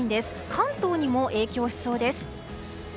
関東にも影響しそうです。